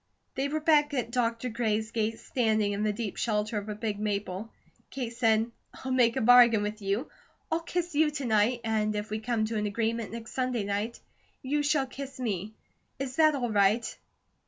They were back at Dr. Gray's gate, standing in the deep shelter of a big maple. Kate said: "I'll make a bargain with you. I'll kiss you to night, and if we come to an agreement next Sunday night, you shall kiss me. Is that all right?"